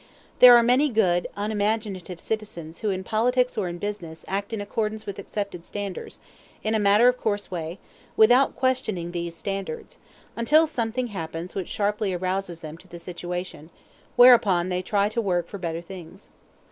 There are many good, unimaginative citizens who in politics or in business act in accordance with accepted standards, in a matter of course way, without questioning these standards; until something happens which sharply arouses them to the situation, whereupon they try to work for better things.